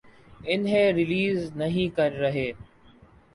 انہیں ریلیز نہیں کر رہے۔